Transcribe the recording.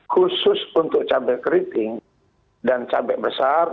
khusus untuk cabai keriting dan cabai besar